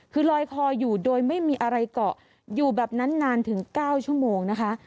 คือลอยคออยู่โดยไม่มีอะไรเกาะอยู่แบบนั้นนานถึง๙ชั่วโมงนะคะ